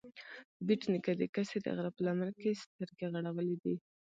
بېټ نيکه د کسې د غره په لمن کې سترګې غړولې دي